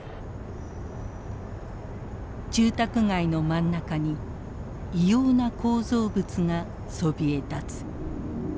住宅街の真ん中に異様な構造物がそびえ立つ。